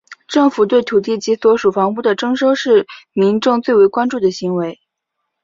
政府对土地及所属房屋的征收是民众最为关注的行为。